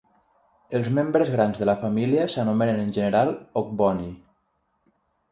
Els membres grans de la família s'anomenen en general "Ogboni".